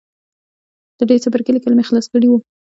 د دې څپرکي ليکل مې خلاص کړي وو.